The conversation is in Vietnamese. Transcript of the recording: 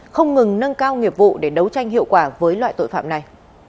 không ngừng nâng cao nghiệp vụ để đấu tranh hiệu quả với loại tội phạm này